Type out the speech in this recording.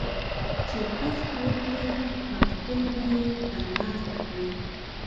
چې کښت وکړې، حاصل به یې ترلاسه کړې.